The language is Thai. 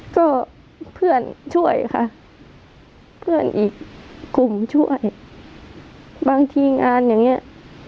ก็เพื่อนช่วยค่ะเพื่อนอีกกลุ่มช่วยบางทีงานอย่างเงี้ย